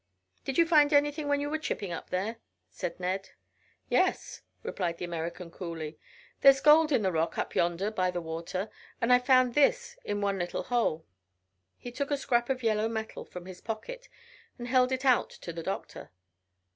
"Did you find anything when you were chipping up there?" said Ned. "Yes," replied the American coolly; "there's gold in the rock up yonder by the water, and I found this in one little hole." He took a scrap of yellow metal from his pocket, and held it out to the doctor.